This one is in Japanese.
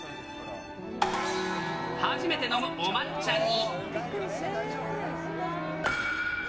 初めてのお抹茶に。